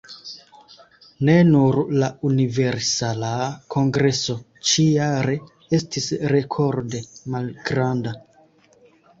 Ne nur la Universala Kongreso ĉi-jare estis rekorde malgranda.